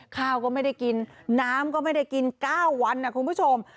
ข้าวก็ไม่ได้กินน้ำก็ไม่ได้กิน๙วันนะคุณผู้ชม